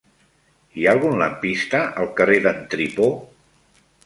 Hi ha algun lampista al carrer d'en Tripó?